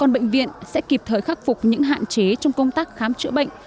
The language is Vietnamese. bệnh viện sẽ kịp thời khắc phục những hạn chế trong công tác khám chữa bệnh